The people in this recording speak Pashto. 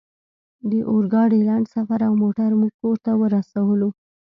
د اورګاډي لنډ سفر او موټر موږ کور ته ورسولو